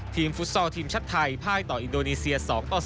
ทีมฟุตซอลทีมชัดไทยพ่ายต่ออินโดนีเซีย๒๔